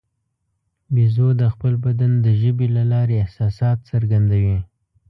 بیزو د خپل بدن د ژبې له لارې احساسات څرګندوي.